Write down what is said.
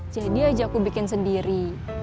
jadi aja aku bikin sendiri